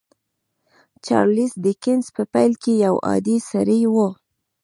چارليس ډيکنز په پيل کې يو عادي سړی و.